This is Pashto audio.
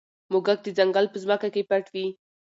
موږک د ځنګل په ځمکه کې پټ وي.